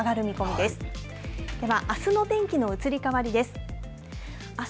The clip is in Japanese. では、あすの天気の移り変わりです。